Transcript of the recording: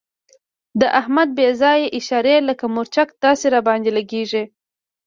د احمد بې ځایه اشارې لکه مرچک داسې را باندې لګېږي.